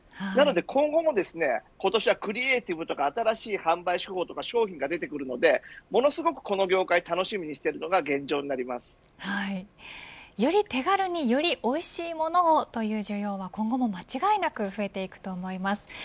なので、今後もクリエイティブとか新しい販売手法や商品が出てくるのでものすごくこの業界がより手軽によりおいしいものをという需要は今後も間違いなく増えていくと思います。